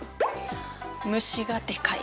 虫がでかい。